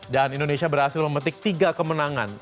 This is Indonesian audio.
dan indonesia berhasil memetik tiga kemenangan